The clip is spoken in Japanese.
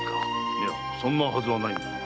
いやそんなはずはないが。